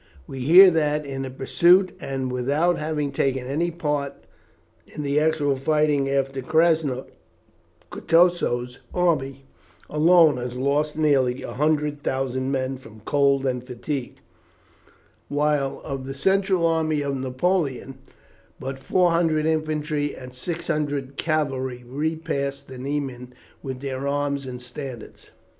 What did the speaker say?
We hear that, in the pursuit, and without having taken any part in the actual fighting after Krasnoi, Kutusow's army alone has lost nearly 100,000 men from cold and fatigue; while, of the central army of Napoleon, but four hundred infantry and six hundred cavalry repassed the Niemen with their arms and standards.